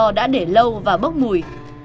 bỏ đã để lâu và bốc mùi